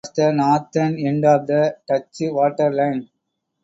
Muiden was the northern end of the Dutch Water Line.